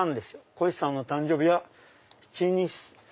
こひさんの誕生日は１２３。